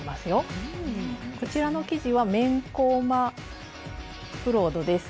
こちらの生地は綿コーマブロードです。